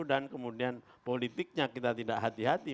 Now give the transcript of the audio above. dan kemudian politiknya kita tidak hati hati